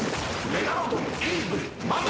メガロドン！